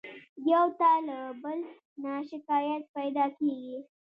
يو ته له بل نه شکايت پيدا کېږي.